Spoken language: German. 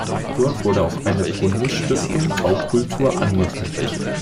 Dort wurde auch eine Bundesstiftung Baukultur angeregt.